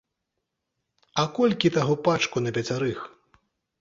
А колькі таго пачку на пяцярых?